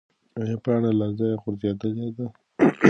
ایا پاڼه له ځایه غورځېدلې ده؟